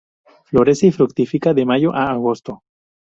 Florece y fructifica de mayo a agosto.